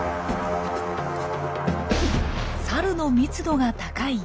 サルの密度が高い